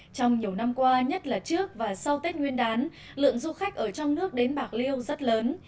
trong nhiều năm qua nhất là trước và sau tết nguyên đán lượng du khách ở trong nước đến bạc liêu rất lớn